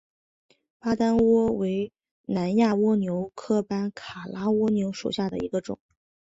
巴丹蜗为南亚蜗牛科班卡拉蜗牛属下的一个种。